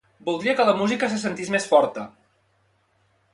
Voldria que la música se sentís més forta.